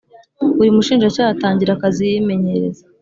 Buri mushinjacyaha atangira akazi yimenyereza